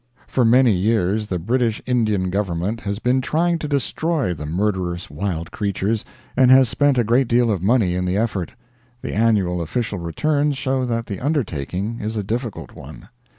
For many years the British Indian Government has been trying to destroy the murderous wild creatures, and has spent a great deal of money in the effort. The annual official returns show that the undertaking is a difficult one.